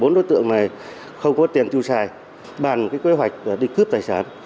bốn đối tượng này không có tiền tiêu xài bàn cái kế hoạch đi cướp tài sản